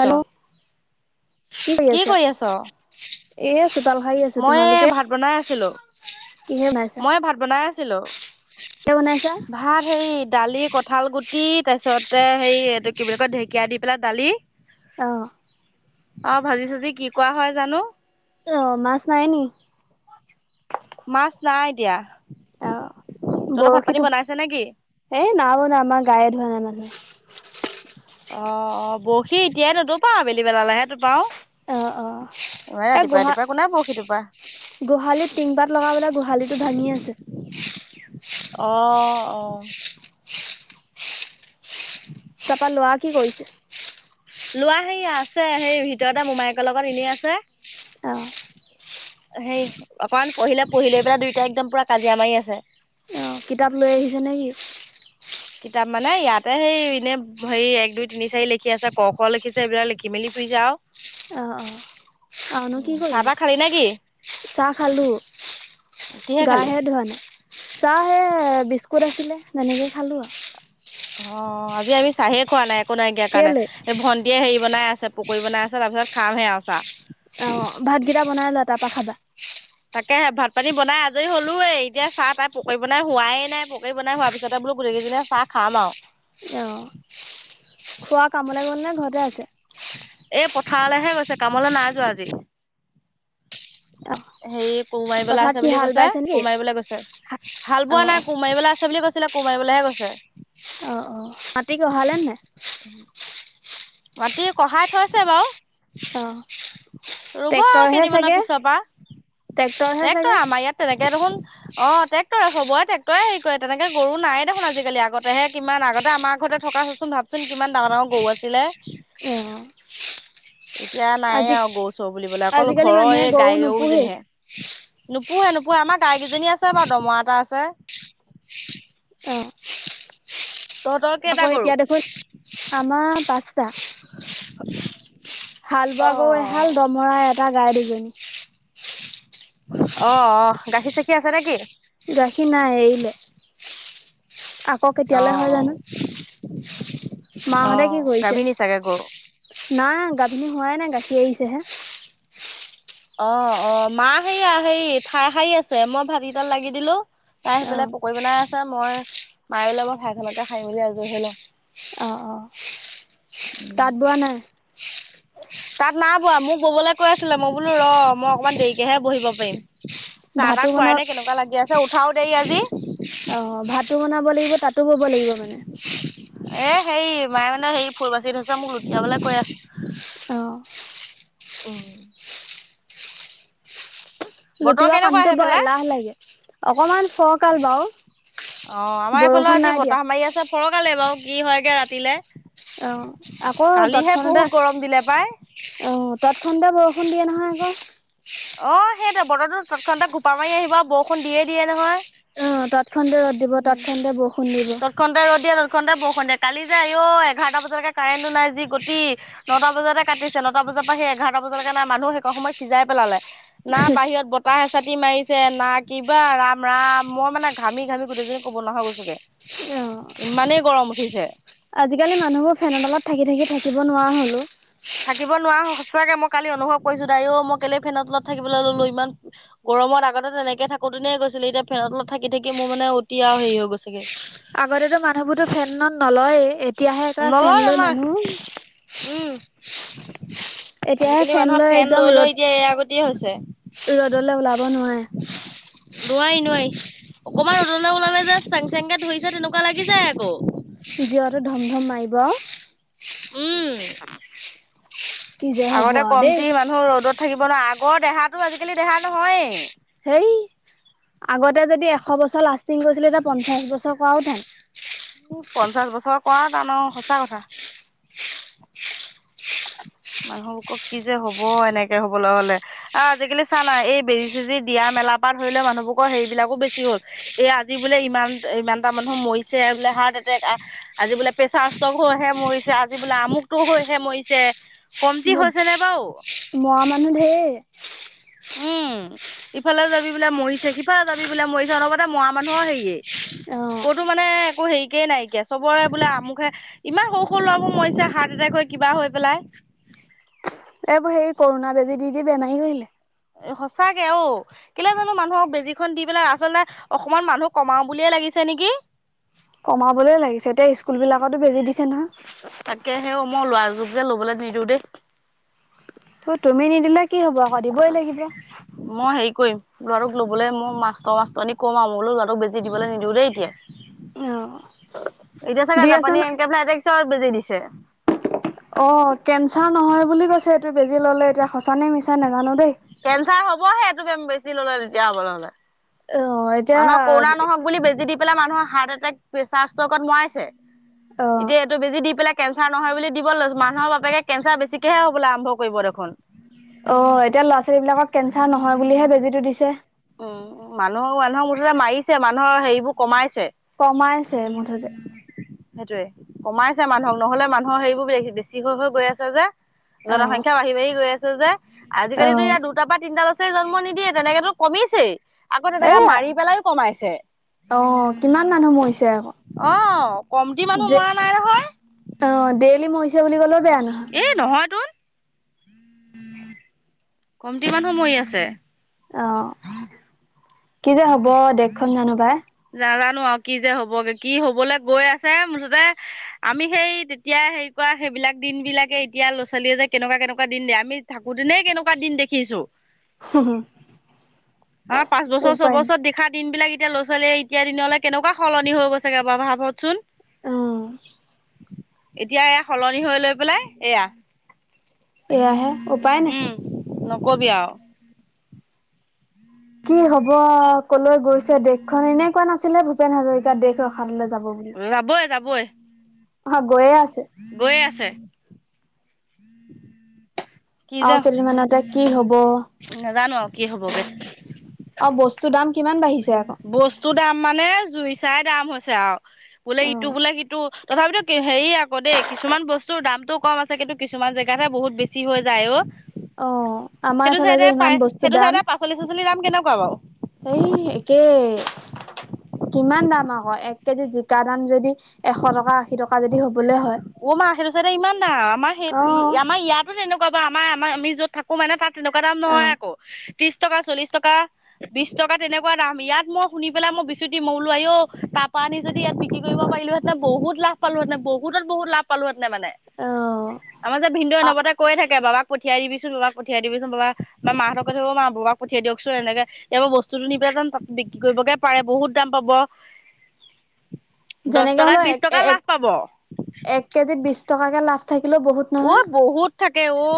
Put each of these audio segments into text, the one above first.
Hello কি কৰি আছ? এ চোতাল সাৰি আছো। মই তোমালোকে এই ভাত বনাই আছিলো। কিহে বনাইছা? মই ভাত বনাই আছিলো, কিহে বনাইছা? ভাত হেৰি দালি ক কঠাল গুটি তাৰপিছতে, হে এইটো কি বুলি কয়, ঢেকীয়া দি পেলাই দালি অ'। অ' ভাজি চাজি কি কোৱা হয় জানো। অ' মাছ নাই নেকি? মাছ নাই দিয়া। অ' বৰশীতটো, নেকি? এ নাই মানে আমাৰ গায়ে ধোৱা নাই মানে [inaudible] অ' বৰশি এতিয়াই নতোপা আবেলি বেলালৈ হে অ', অ', এইবাৰ এই ৰাতিপুৱা গোহা ৰাতিপুৱা কোনেই বৰশিটো গোহালিত টিনপাত লগাবলে গোহালিতো ভাঙি আছে। অ' অ'। চফা লোৱা কি কৰিছে? লোৱা হে আছে সেই ভিতৰতে মোমায়কৰ লগত এনেই আছে। অ', সেই অকমান পঢ়িলে, পঢ়িলে পেলাই দুইটাই একদম পুৰা কাজিয়া মাৰি আছে। অ' কিতাপ লৈ আহিছে নে কি? কিতাপ মানে ইয়াতে সেই এনে হেৰি এক দুই তিনি চাৰি লিখি আছে ক, খ, লিখিছে এইবিলাক লিখি মেলি [unintelligible] অ', অ' কি উম চাহ কৰিবি তাহ খালি নে কি চাহ খালী? কিহে গা খালি হে ধোৱা নাই। চাহ হে বিস্কুট আছিলে তেনেকে খালোঁ আ। অ', আজি আমি চাহে খোৱা নাই একো নাইকিয়া কাৰণে কেলে? এই ভণ্টিয়ে হেৰি বনাই আছে, পকৰি বনাই আছে তাৰ পিছত খামহে আৰু চাহ। অ', ভাতকেইটা বনাই লোৱা তাৰ পৰা খাবা। তাকে ভাত পানী বনাই আজৰি হ'লোয়ে, এতিয়া চাহ তাই পকৰী বনাই হোৱাই না, পকৰী বনাই হোৱাৰ পিছতে বোলো গোটেই কেইজনীয়ে চাহ খাম আৰু। অ', খুৰা কামলে গল নে ঘৰতে আছে? এই পথাৰলৈহে গৈছে কামলৈ নাই যোৱা আজি, অ হেৰি কোৰ মাৰিবলৈ পথাৰত আছে কি বুলি হাল কৈছে, বাইছে নেকি? কোৰ মাৰিবলৈ গৈছে। হাল অ বোৱা নাই কোমাৰিবলৈ আছে বুলি কৈছিলে কোমাৰিবলৈহে গৈছে। মাটিক কঢ়ালে নে নাই? মাটি কঢ়াই থৈছে বাৰু। অ'। ৰুব আৰু ট্ৰেক্টৰহে কেইদিনমানৰ চাগে পিছৰ পৰা, ট্ৰেক্টৰহে দেক তই চাগে। আমাৰ ইয়াত তেনেকে দেখোন অ', ট্ৰেক্টৰে চবৰে ট্ৰেক্টৰে হেৰি কৰে তেনেকে গৰু নাই দেখোন আজিকালি আগতেহে কিমান আগতে আমাৰ ঘৰতে থকাচোন ভাবচোন কিমান ডাঙৰ ডাঙৰ গৰু আছিলে। অ'। এতিয়া নায়ে আজি আৰু গৰু চৰু বুলিবলে অকল আজিকালি ঘৰৰ মানুহে এই গৰু গাই নোপোহেই। গৰুকেইজনীহে। নোপোহে নোপোহে আমাৰ গাইকেইজনী আছে বাৰু, দমৰা এটা আছে। তহঁতৰ কেইটা আকৌ গৰু এতিয়া দেখোন আমাৰ পাঁচটা। হাল অ বোৱা গৰু এহাল, দমৰা এটা, গাই দুজনী। অ', অ', গাখীৰ চাখীৰ আছে নে কি? গাখীৰ নাই এৰিলে। আকৌ অ কেতিয়ালৈ হয় জানো, অ মাহঁতে কি কৰিছে? গাভিনী চাগে গৰু নাই গাভিনী হোৱাই নাই গাখীৰ এৰিছেহে। অ', অ', মা সেয়া হেৰি ঠাই সাৰী আছে, মই ভাত কেইটাত লাগি দিলোঁ। তাই সেই অ ফালে পকৰি বনাই আছে, মই মায়ে ওলাবই ঠাইখনকে খাই মেলি আজৰি হৈ লওঁ। অ অ', তাত বোৱা নাই? তাত নাই বোৱা, মোক ববলৈ কৈ আছিলে মই বোলো ৰ মই অকনমান দেৰিকেহে বহিব পাৰিম। ভাতো চাহ-তাহ খুৱাই বনা নে কেনেকুৱা লাগি আছে উঠাও দেৰি আজি। অ', ভাতো বনাব লাগিব, তাতো বব লাগিব মানে। এ হেৰি মায়ে মানে সেই ফুল বাচি থৈছে মোক লুটিয়াবলে কৈ আছে। অ উম। বতৰ লুটিওৱা কেনেকুৱা কামটো বৰ সেইফালে এলাহ লাগে অকমান ফৰকাল বাৰু। অ' আমাৰ এইফালে বৰষুণ আজি নাই দিয়া বতাহ মাৰি আছে ফৰ'কালে বাৰু কি হয়গে ৰাতিলে। অ', আকৌ কালিহে তৎক্ষনাতে বহুত গৰম দিলে পাই অ'। তৎক্ষনাতে বৰষুণ দিয়ে নহয় আকৌ। অ' সেইটো বতৰো তৎক্ষনাতে ঘোপা মাৰি আহিব বৰষুণ দিয়ে দিয়ে নহয়। অ', তৎক্ষনতে ৰ'দ দিব, তৎক্ষনতে বৰষুন। তৎক্ষনতে ৰ'দ দিয়ে, তৎক্ষনতে। তৎক্ষনতে বৰষুন দিয়ে, কালি যে আইও এঘাৰটা বজালেকে কাৰেণ্টো নাই যি গতি, নটা বজাতে কাটিছে, নটা বজাত। বজাৰ পৰা সেই এঘাৰটা বজালকে নে মানুহে সময়ত সিজাই পেলালে না বাহিৰত বতাহ এচাতি মাৰিছে না। কিবা ৰাম ৰাম মই মানে ঘামি ঘামি গোটেইজনী ক'ব নোৱৰা হৈ গৈছো গে। অ ইমানেই গৰম উঠিছে। আজিকালি মানুহবোৰ ফেনৰ তলত থাকি থাকি থাকিব নোৱাৰা হলো। থাকিব নোৱাৰা সঁচাকে মই কালি অনুভৱ কৰিছোঁ দাইও মই কেলেই ফেনৰ তলত থাকিব ললো ইমান গৰমত আগতে তেনেকে থাকো। [unintelligible] দিনেই গৈছিলোঁ এতিয়া ফেনত তলত থাকি থাকি মোৰ মানে অতি আৰু হেৰি হৈ গৈছেগে আগতেতো মানুহবোৰতো ফেনত নলয়, এতিয়াহে এটা নলয় ফেন লৈ নলয়। মানুহ। উম, এতিয়াহে আজিকালি মানুহৰ ফেন একদম লৈ ৰ'দ লৈ এতিয়া এয়া গতিয়ে হৈছে। ৰ'দলৈ ওলাব নোৱাৰে। নোৱাৰি, নোৱাৰি, অকমান ৰদলে ওলালে যে চেং চেং কে ধৰিছে তেনেকুৱা লাগি যায় আকৌ। ভিডিঅ'টো ধমধম মাৰিব। [inaudible] উম, কি যে হ'ব আগতে আৰু দেই কমটি মানুহ ৰ'দত থাকিব ন' আগৰ দেহাটো আজিকালি দেহা নহয়েই। এই আগতে যদি এশ বছৰ লাষ্টিং কৰিছিলে এতিয়া পঞ্চাছ বছৰ কৰাও টান। পঞ্চাছ বছৰ কৰা টানো সঁচা কথা। [unintelligible] মানুহ [unintelligible] কি যে হব এনেকে হবলৈ হলে আৰু আজিকালি চা না এই বেজি চেজি দিয়া মেলা তাপা ধৰিলে মানুহবোৰকো হেৰি বিলাক বেছি হল এই আজি বোলে ইমান-ইমান এটা মানুহ মৰিছে বোলে হাত তাতে একা আজি বোলে প্ৰেচাৰ ষ্ট্ৰক হৈ হে মৰিছে আজি বোলে আমুকটো হৈহে মৰিছে কমটি হৈছে মৌদ নে বাৰু মৰা মানুহ ধেৰ। উম, ইফালে যাবি বোলে মৰিছে, সিফালে যাবি বোলে মৰিছে অলপতে মৰা মানুহৰ হেইয়েই। অ', ক'তো মানে একো হেৰিকেই নাইকিয়া চবৰে বোলে আমুকহে ইমান সৰু-সৰু ল'ৰাবোৰ হাৰ্ট এটেক কৈ কিবা হৈ পেলাই। এইবোৰ সেই কৰোনা বেজী দি -দি বেমাৰী কৰিলে। এ সঁচাকে ঔ কেলে জানো মানুহক বেজীখন দি পেলাই আচলতে অকমান মানুহ কমাও বুলিয়ে লাগিছ চেনেকি কমাবলৈ লাগিছে, এতিয়া স্কুল বিলাকতো বেজি দিছে নহয়। তাকেহেও, মই ল'ৰাটোক যে ল'বলৈ নিদিওঁ দেই। ও তুমি নিদিলে কি হ'ব আকৌ দিবই লাগিব। মই হেৰি কৰিম, ল'ৰাটোক ল'বলৈ মই মাষ্টৰ-মাষ্টৰনীক কম আৰু মোলো ল'ৰাটোক বেজি দিবলৈ নিদিওঁ দেই এতিয়া। অ'। এতিয়া চাগে দি আছে জাপানী ন এনকেফেলাইটিকছৰ বেজি দিছে। অ', কেঞ্চাৰ নহয় বুলি কৈছে এইটো বেজি ল'লে, এতিয়া সঁচানে, মিছা নোজানো দেই। কেঞ্চাৰ হ'বহে এইটো বেম-বেজী ল'লে তেতিয়া হ'বলে হ'লে। অ', এতিয়া মানুহৰ কৰোণা নহওক বুলি বেজি দি পেলাই মানুহৰ হাৰ্ট এটেক, প্ৰেছাৰ ষ্ট'কত মৰাইছে। অ', এতিয়া এইটো বেছি দি পেলাই কেঞ্চাৰ নহয় বুলি দিব লৈছ, মানুহৰ বাপেকে কেঞ্চাৰ বেছিকেহে হ'বলে আৰম্ভ কৰিব দেখোন। অ', এতিয়া ল'ৰা-ছোৱালী বিলাকক কেঞ্চাৰ নহয় বুলিহে বেজিটো দিছ উম, মানুহ-মানুহক মুঠতে মাৰিছে মানুহৰ হেৰিবোৰ কমাইছে। কমাইছে মুঠতে। সেইটোৱে, কমাইছে মানুহক নহ'লে মানুহৰ হেৰিবোৰ বে-বেছি হৈ হৈ গৈ আছে যে। অ', জনসংখ্যা বাঢ়ি বাঢ়ি গৈ আছে যে, আজিকালিতো অ', ইয়াত দুটা পা তিনিটা লছ চে জন্ম নিদিয়ে তেনেকেতো কমিছেই। আকৌ তেনেকা এয়া মাৰি পেলাইও কমাইছে, অ', কিমান মানুহ মৰিছে আকৌ অ'। কমটি মানুহ দে, মৰা নাই নহয় অ', ডেইলি মৰিছে বুলি ক'লেও বেয়া নহয়। এ নহয় তোন। কমটি মানুহ মৰি আছে। অ', কি যে হ'ব দেশখন জানো পায়। নাজানো আৰু কি যে হ'বগে কি হ'বলে গৈ আছে, মুঠতে আমি সেই তেতিয়াই হেৰি ক সেইবিলাক দিন বিলাকে এতিয়া ল'ৰা-ছোৱালীয়ে যে কেনেকুৱা কেনেকুৱা দিন দিয়ে, আমি থাকোতেনে কেনেকুৱা দিন দেখিছো। হ হ আ পাঁচ বছৰ, ছবছৰ দেখা দিন বিলাক এতিয়া লছ ছোৱালীয়ে এতিয়া দিনলে কেনেকুৱা সলনি হৈ গৈছেগে বাৰ ভাবকচোন। অ', এতিয়া এয়া সলন নি হৈ লৈ পেলাই এয়া, এয়াহে উপায় নাই। উম। নকবি আৰু। কি হ'ব, কলৈ গৈছে দেশখন, এনেই কোৱা নাছিলে ভূপেন হাজৰিকা দেশ ৰসাতলে যা যাবই, যাবই। অ', গৈয়ে আছে। গৈ আছে। [inaudible] আৰু কেইদিনমানতে কি হ'ব, নাজানো আৰু কি হ'বগে অ', বস্ত টোৰ দাম কিমান বাঢ়িছে? আকৌ। বস্তুৰ দাম মানে জুইছ চাই দাম হৈছে আৰু বোলে ইটো অ', বোলে সিটো, তথাপিতো কে হেৰি আকৌ দেই কিছুমান বস্তুৰ দাম টো কম আছে, কিন্তু কিছুমান জেগাত হে বহুত বেছি হৈ যায় অ'। অ', আমাৰ সেইটো এইফালে যে চাইডে ইমান পাই, বস্তুৰ সেইটো দাম চাইডে পাচলি-চাচলি দাম কেনেকুৱা বাৰু? এই একে। কিমান দাম আকৌ, এক কেজি জিকা দাম যদি এশ টকা, আশী টকা যদি হ অ', মা সেইটো সাইডে ইমান দাম, আমাৰ সেইত, অ', আমাৰ ইয়াতো তেনেকুৱা বাৰু আমাৰ-আমা, আমি য'ত থাকো মানে তাত তেনেকুৱা দাম নহয় অ', আকৌ, ত্ৰিশ টকা, চল্লিশ টকা, বিশ টকা তেনেকুৱা দাম, ইয়াত মই শুনি পেলাই মই বিচুতি, মৌলো আইঔ তাপা আনি যদি ইয়াত বিক্ৰী কৰিব পাইলোহেঁতেন, বহু বহুত লাভ পালোহেঁতেনে, বহুতত বহুত লাভ পালোহেঁতেনে মানে, আমাৰ যে ভিন্দই অনবতে কয় থাক কে বাবাক পঠিয়াই দিবিচোন, বাবাক পঠিয়াই দিবচোন বাবা, বা মাহঁতক কৈথে, অ', মা বাবাক পঠিয়াই দিয়কচোন এনেকে এইবোৰ বস্তু টো নিপে যেন তাত বিক্ৰী কৰিবগে পাৰে, বহুত দাম পাব। দহ যেনেকে টকাত, হ'লেও এক বিশ টকাৰ এক লাভ পাব। এক কেজিত বিশ টকাকে লাভ থাকিব উ বহুত থাকে অ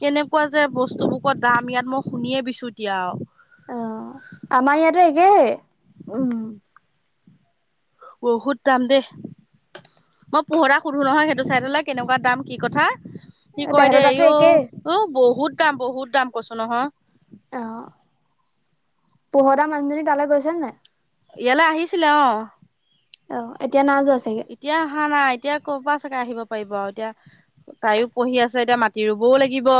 কেনেকুৱা যে বস্তুবোৰত দাম ইয়াত মই শুনিয়ে বিছুতি আও অ আমাৰ ইয়াতো একে উম বহুত দাম দে মই পোহৰা সুধো নহয় সেইটো চাইডলৈ কেনেকুৱা দাম কি কথা কি কয় তেহেতৰ দে তাতো ইও একেই উ বহুত দাম বহুত দাম কৈছো নহয় পোহতা মানুহজনী তালৈ গৈছে নাই ইয়ালৈ আহিছিলে অ অ এতিয়া না এতিয়া অহা নাই এতিয়া ক'ৰ পৰা চাগে আহিব পাৰিব আৰু এতিয়া তাইও পঢ়ি আছে এতিয়া মাটি ৰুবও লাগিব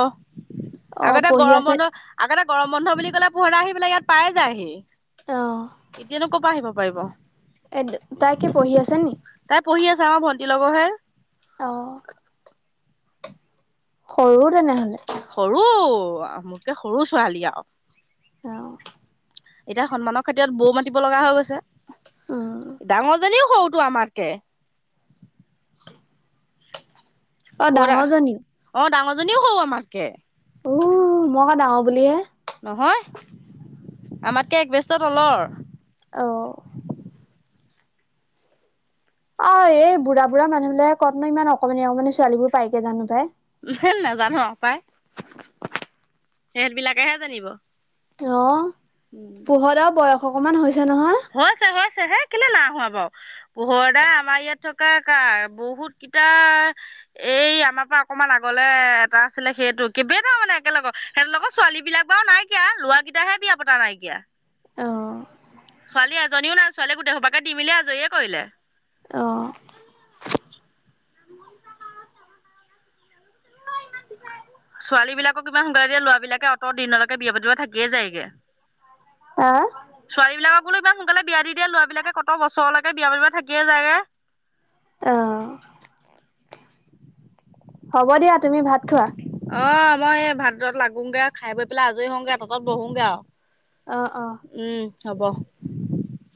অ', আগতে পঢ়ি গৰম আছে বন্ধ আগতে গৰম বন্ধ বুলি কলে পোহৰা আহি বলে ইয়াত পাই যায়হি অ', এতিয়ানো কব আহিব পাৰিব এ তাইকে পঢ়ি আছে নি তাই পঢ়ি আছে আমাৰ ভণ্টিৰ লগৰহে আহ সৰুও তেনেহলে সৰু মোৰকে সৰু ছোৱালী আ অ এতিয়া সন্মানৰ খাতিৰথত বৌ মাতিব লগা হৈ উম, গৈছে ডাঙৰজনীও সৰুটো আমাত কে অ', প ডাঙৰজনী অ ডাঙৰ জনীও হও আমাতকে উ মই ডাঙৰ বুলিহে নহয় আমাতকে একবেস্ত তলৰ অ অ এই বুঢ়া বুঢ় মানুহবিলাকেনো ইমান অকমানি অকমান ছোৱালী বোৰ পাইকে জানো পাই হ নাজানো পাই সেহত বিলাকেহে জানিব অ পোহতও বয়স অকমান হৈছে নহয় হৈছে হৈছে হে কেলৈ না হোৱা বাৰু পোহৰ দা আমাৰ ইয়াত থকা কাৰ বহুত ইতা এই আমাৰ পৰা অকণমান আগলে এটা আছিলে সেইটো কিবেইটা মানে একেলগে সিহঁত লগৰ ছোৱালী বিলাক বাৰু নাইকিয়া লৰা কেইটাহে বিয়া পতা নাইকিয়া অ ছোৱালী এজনীও নাই ছোৱালীয়ে গোটেই সোপাকে দি মেলি আজৰিয়ে কৰিলে অ ছোৱালী বিলাকক কিমান সোনকালে দিয়ে লৰাবালাকে অত দিনলৈকে বিয়া পতিব থাকিয়ে যায়গে [unintelligible] [unintelligible] বিলাকক বোলো ইমান সোনকালে বিয়া দি দিয়ে লৰাবিলাকে কত বছৰলৈকে বিয়া পাতিব থাকিয়ে যায় অ [inaudible] হ'ব দিয়া তুমি ভাত খোৱা অ মই এই ভাত লাগোগে খাই বৈ পেলাই আজৰি হওঁগে তাতঁত বহোগৈ আৰু অ অ উম হ'ব